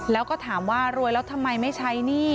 แล้วก็ถามว่ารวยแล้วทำไมไม่ใช้หนี้